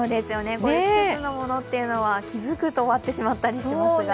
季節のものというのは気付くと終わってしまったりします。